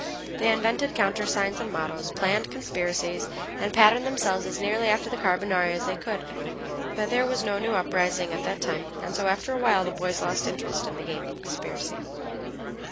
They invented countersigns and mottoes, planned conspiracies, and patterned themselves as nearly after the Carbonari as they could. But there was no new uprising at that time, and so after a while the boys lost interest in the game of conspiracy.